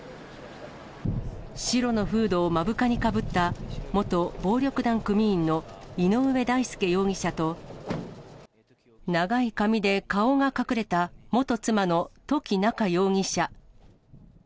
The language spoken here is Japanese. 白のフードを目深にかぶった元暴力団組員の井上大輔容疑者と、長い髪で顔が隠れた、元妻の土岐菜夏容疑者。